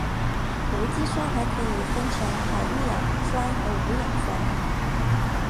无机酸还可以分成含氧酸和无氧酸。